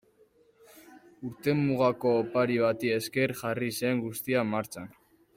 Urtemugako opari bati esker jarri zen guztia martxan.